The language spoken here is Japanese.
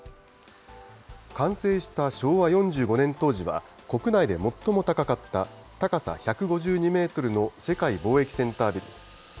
完成した昭和４５年当時は国内で最も高かった高さ１５２メートルの世界貿易センタービル。